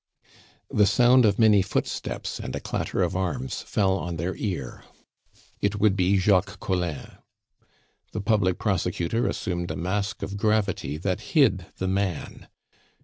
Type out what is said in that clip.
The sound of many footsteps and a clatter of arms fell on their ear. It would be Jacques Collin. The public prosecutor assumed a mask of gravity that hid the man.